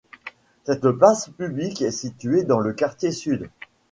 Cette place publique est située dans le quartier sud.